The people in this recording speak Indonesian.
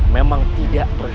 memang tidak berguna